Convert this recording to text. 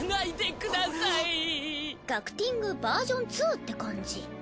ガクティングバージョン２って感じ。